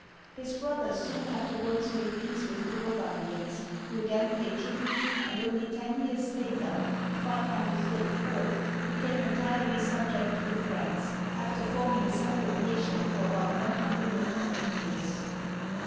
His brothers soon afterwards made peace with the Burgundians, who again paid tribute, and only ten years later (534) became entirely subject to the Franks, after forming a separate nation for about one hundred and twenty years.